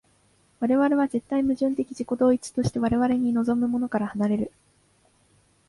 我々は絶対矛盾的自己同一として我々に臨むものから離れる。